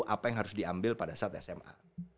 apa yang harus diambil pada saat sma